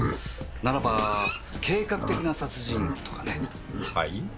ならば計画的な殺人とかね。はい？